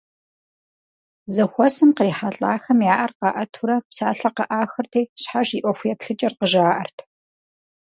Зэхуэсым кърихьэлӀахэм я Ӏэр къаӀэтурэ псалъэ къыӀахырти щхьэж и ӀуэхуеплъыкӀэр къыжаӀэрт.